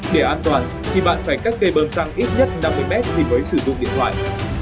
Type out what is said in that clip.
để an toàn thì bạn phải cắt cây bơm xăng ít nhất năm mươi mét thì mới sử dụng điện thoại